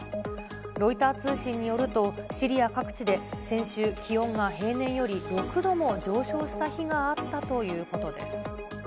ロイター通信によると、シリア各地で先週、気温が平年より６度も上昇した日があったということです。